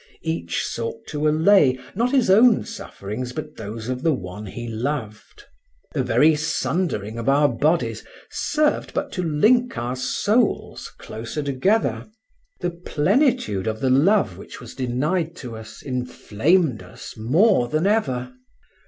Each sought to allay, not his own sufferings, but those of the one he loved. The very sundering of our bodies served but to link our souls closer together; the plentitude of the love which was denied to us inflamed us more than ever.